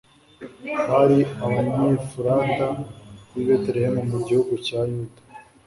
bari abanyefurata b'i betelehemu mu gihugu cya yuda